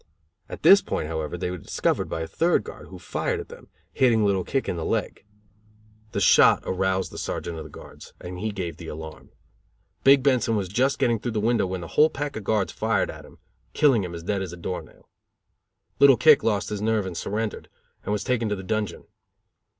At this point however they were discovered by a third guard, who fired at them, hitting Little Kick in the leg. The shot aroused the sergeant of the guards and he gave the alarm. Big Benson was just getting through the window when the whole pack of guards fired at him, killing him as dead as a door nail. Little Kick lost his nerve and surrendered, and was taken to the dungeon.